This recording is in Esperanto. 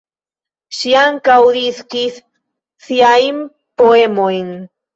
Ŝi ankaŭ diskis siajn poemojn.